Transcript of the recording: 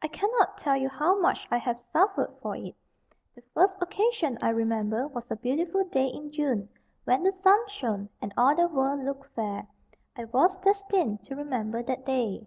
I cannot tell you how much I have suffered for it. The first occasion I remember was a beautiful day in June, when the sun shone, and all the world looked fair. I was destined to remember that day.